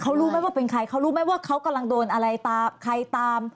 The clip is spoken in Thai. เขารู้ไหมว่าเป็นใครเขารู้ไหมว่าเขากำลังโดนอะไรตามใครตาม